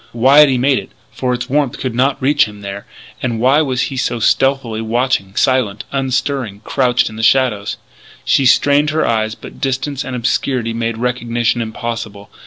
Why had he made it then for its warmth could not reach him there. And why was he so stealthily watching silent, unstirring, crouched in the shadows? She strained her eyes; but distance and obscurity made recognition impossible.